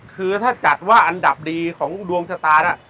คือถ้าจัดว่าอันดับดีของดวงชะตาน่ะ